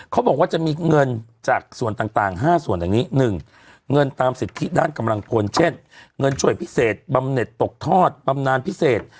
เขาบอกว่าจะมีเงินจากส่วนต่าง๕ส่วนอย่างนี้๑เงินตามสิทธิด้านกำลังพลเช่นเงินช่วยพิเศษบำเน็ตตกทอดบำนานพิเศษ